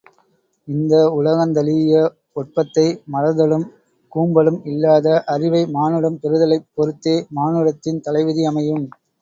இந்த உலகந்தழீஇய ஒட்பத்தை மலர்தலும் கூம்பலும் இல்லாத அறிவை மானுடம் பெறுதலைப் பொருத்தே மானுடத்தின் தலைவிதி அமையும்!